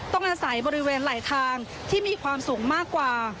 ต้องอาศัยบริเวณไหลทางที่มีความสูงมากกว่า